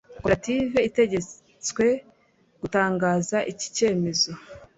koperative itegetswe gutangaza iki cyemezo